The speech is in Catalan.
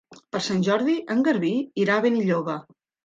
Per Sant Jordi en Garbí irà a Benilloba.